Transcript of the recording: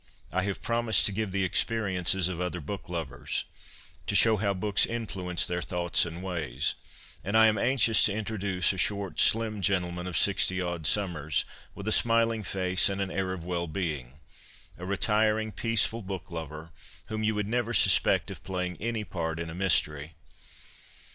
I have promised to give the experiences of other book lovers, to show how books influence their thoughts and ways ; and I am anxious to introduce a short, slim gentleman of sixty odd summers, with a smiling face and an air of wellbeing, a retiring, peaceful book lover, whom you would never suspect of playing any part in a mystery.